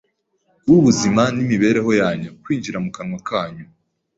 w’ubuzima n’imibereho yanyu kwinjira mu kanwa kanyu.